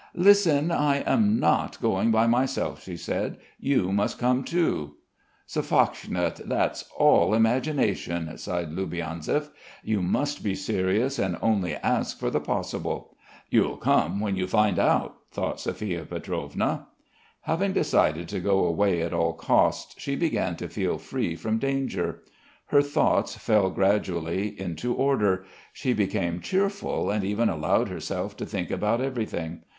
"Listen. I am not going by myself," she said. "You must come, too!" "Sophochka, that's all imagination!" sighed Loubianzev. "You must be serious and only ask for the possible...." "You'll come when you And out!" thought Sophia Pietrovna. Having decided to go away at all costs, she began to feel free from danger; her thoughts fell gradually into order, she became cheerful and even allowed herself to think about everything.